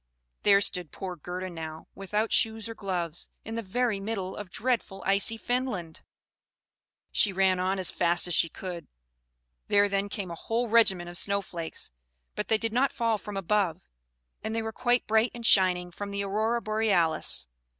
There stood poor Gerda now, without shoes or gloves, in the very middle of dreadful icy Finland. She ran on as fast as she could. There then came a whole regiment of snow flakes, but they did not fall from above, and they were quite bright and shining from the Aurora Borealis.